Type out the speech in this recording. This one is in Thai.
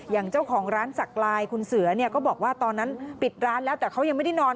อย่างเจ้าของร้านสักลายคุณเสือเนี่ยก็บอกว่าตอนนั้นปิดร้านแล้วแต่เขายังไม่ได้นอน